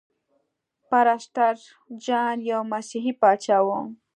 پرسټر جان یو مسیحي پاچا و.